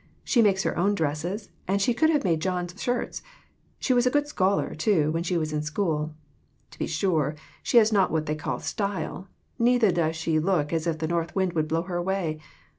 She makes her own dresses, and she could have made John's shirts. She was a good scholar, too, when she was in school. To be sure, she has not what they call " style," neither does she look as if the north wind would blow her away.